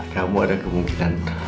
kamu ada kemungkinan